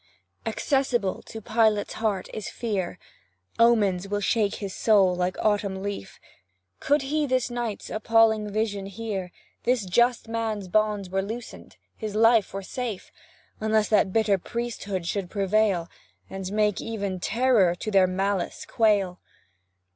Accessible is Pilate's heart to fear, Omens will shake his soul, like autumn leaf; Could he this night's appalling vision hear, This just man's bonds were loosed, his life were safe, Unless that bitter priesthood should prevail, And make even terror to their malice quail.